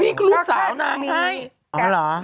นี่ก็ลูกสาวนางให้